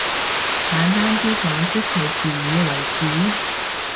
簡單啲講即係自以為是？